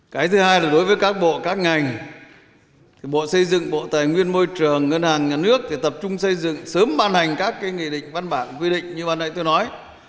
cái thứ hai là đối với các bộ các ngành thì bộ xây dựng bộ tài nguyên môi trường ngân hàng nhà nước thì tập trung xây dựng sớm ban hành các cái nghị định văn bản quy định như văn đại tôi nói